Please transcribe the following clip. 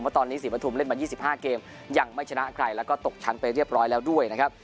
เพราะตอนนี้ศรีปฐุมเล่นมา๒๕เกมยังไม่ชนะใครแล้วก็ตกชั้นไปเรียบร้อยแล้วด้วยนะครับ